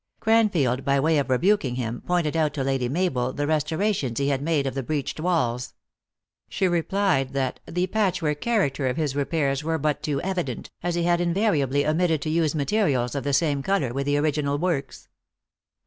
Cranfield, by way of rebuking him, pointed out to Lady Mabel the restorations he had made of the breached walls. She replied that " the patchwork character of his repairs were but too evident, as he had invariably omitted to use materials of the same color with the original works."